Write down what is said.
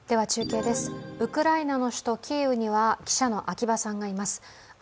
中継です、ウクライナの首都キーウには記者の秋場さんがいます。